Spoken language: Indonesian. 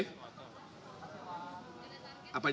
hubungi tadi siang